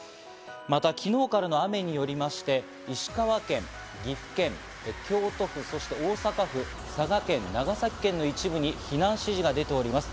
また昨日からの雨によりまして、石川県、岐阜県、京都府、そして大阪府、佐賀県、長崎県の一部に避難指示が出ております。